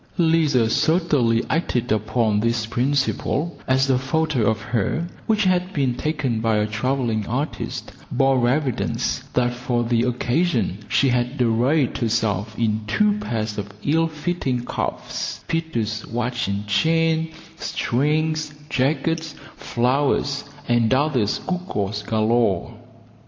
Lizer certainly acted upon this principle, as a photo of her, which had been taken by a travelling artist, bore evidence that for the occasion she had arrayed herself in two pairs of ill fitting cuffs, Peter's watch and chain, strings, jackets, flowers, and other gewgaws galore.